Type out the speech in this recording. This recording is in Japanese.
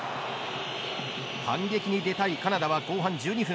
反撃に出たいカナダは後半１２分。